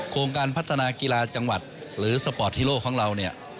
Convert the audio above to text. โครงการพัฒนากีฬาจังหวัดหรือสปอร์ตฮีโร่ของเราเนี่ย